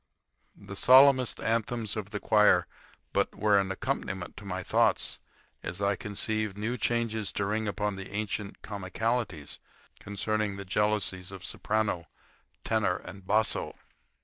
The solemnest anthems of the choir were but an accompaniment to my thoughts as I conceived new changes to ring upon the ancient comicalities concerning the jealousies of soprano, tenor, and basso.